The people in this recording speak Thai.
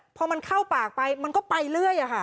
พอมันเข้าปากไปมันก็ไปเรื่อย